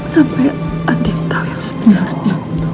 sampai andi tahu yang sebenarnya